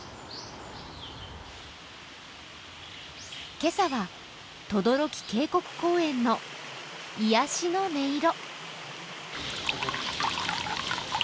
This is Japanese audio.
今朝は等々力渓谷公園の癒やしの音色。